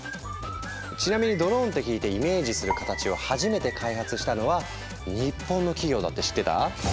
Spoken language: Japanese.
ちなみにドローンって聞いてイメージする形を初めて開発したのは日本の企業だって知ってた？